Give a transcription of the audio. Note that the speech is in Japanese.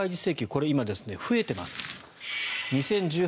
これが今、増えています。